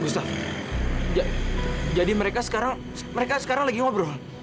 gustaf jadi mereka sekarang mereka sekarang lagi ngobrol